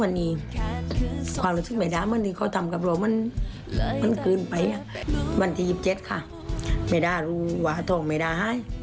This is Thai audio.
วันที่๒๗ค่ะไม่ได้รูหวาทองไม่ได้ห้าย